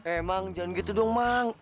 emang jangan gitu dong mang